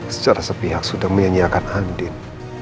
secara sepihak sudah menyanyiakan andin